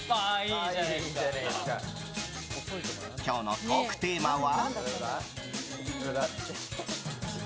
今日のトークテーマは。